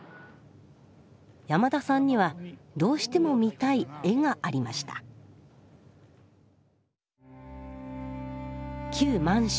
山田さんにはどうしても見たい絵がありました旧満州